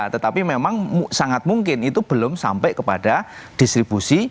tetapi memang sangat mungkin itu belum sampai kepada distribusi